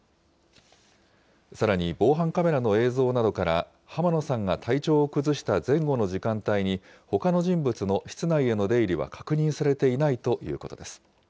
さらに、防犯カメラの映像などから濱野さんが体調を崩した前後の時間帯に、ほかの人物の室内への出入りは確認されていないということです。